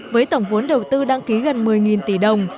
với tổng vốn đầu tư đăng ký gần một mươi tỷ đồng